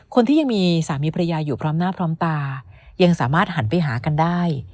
คนที่ยังมีสามีพระยาอยู่พร้อมหน้าพร้อมตายังสามารถหันไปหากันได้